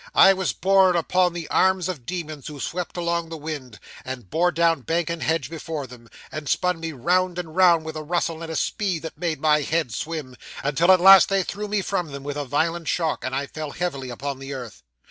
I was borne upon the arms of demons who swept along upon the wind, and bore down bank and hedge before them, and spun me round and round with a rustle and a speed that made my head swim, until at last they threw me from them with a violent shock, and I fell heavily upon the earth.